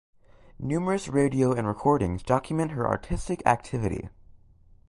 Numerous radio and recordings document her artistic activity.